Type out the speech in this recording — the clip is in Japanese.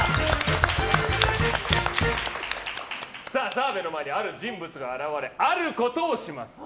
澤部の前にある人物が現れあることをします。